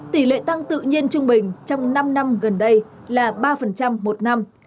tỷ lệ tăng tự nhiên trung bình trong năm năm gần đây là ba một năm